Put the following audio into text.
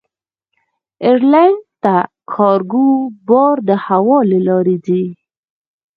ایرلنډ ته کارګو بار د هوا له لارې ځي.